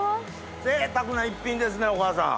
ぜいたくな一品ですねお母さん。